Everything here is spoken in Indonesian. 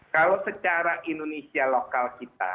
kalau secara indonesia lokal kita